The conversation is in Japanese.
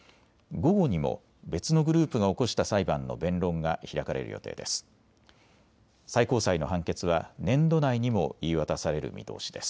午後にも別のグループが起こした裁判の弁論が開かれる予定です。